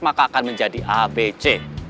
maka akan menjadi abc